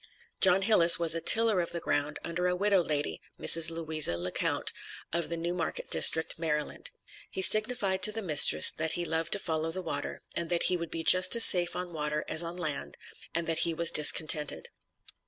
John Hillis was a tiller of the ground under a widow lady (Mrs. Louisa Le Count), of the New Market District, Maryland. He signified to the mistress, that he loved to follow the water, and that he would be just as safe on water as on land, and that he was discontented.